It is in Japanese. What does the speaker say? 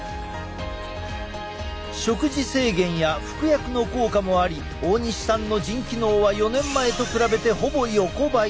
食事制限や服薬の効果もあり大西さんの腎機能は４年前と比べてほぼ横ばい。